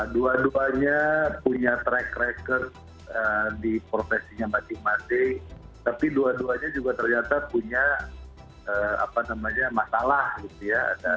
dua duanya punya track record di profesinya masing masing tapi dua duanya juga ternyata punya masalah gitu ya